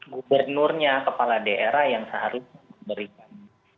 gubernurnya kepala daerah yang seharusnya memberikan